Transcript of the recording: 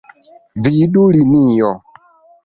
Vidu linio.